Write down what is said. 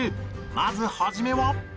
まず初めは